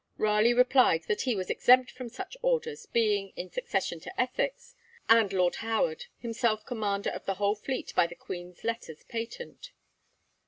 Raleigh replied that he was exempt from such orders, being, in succession to Essex and Lord Howard, himself commander of the whole fleet by the Queen's letters patent.